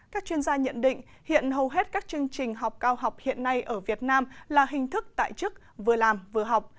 các chuyên gia nhận định hiện hầu hết các chương trình học cao học hiện nay ở việt nam là hình thức tại chức vừa làm vừa học